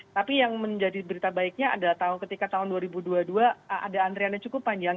tapi yang menjadi berita baiknya ada ketika tahun dua ribu dua puluh dua ada antriannya cukup panjang